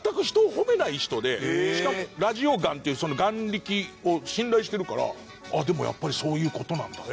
しかもラジオ眼っていうその眼力を信頼してるからでもやっぱりそういう事なんだ。